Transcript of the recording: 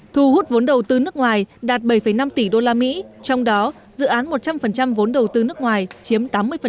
thu hút vốn đầu tư nước ngoài đạt bảy năm tỷ usd trong đó dự án một trăm linh vốn đầu tư nước ngoài chiếm tám mươi